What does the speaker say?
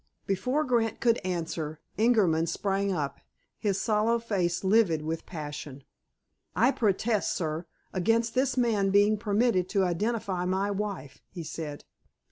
Before Grant could answer, Ingerman sprang up, his sallow face livid with passion. "I protest, sir, against this man being permitted to identify my wife," he said.